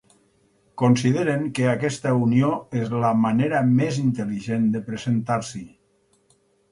Consideren que aquesta unió és la manera més intel·ligent de presentar-s’hi.